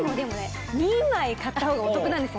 ２枚買った方がお得なんです。